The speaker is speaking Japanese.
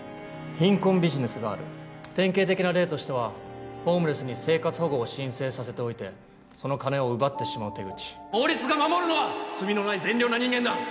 貧困ビジネスがある典型的な例としてはホームレスに生活保護を申請させておいてその金を奪ってしまう手口法律が守るのは罪のない善良な人間だ！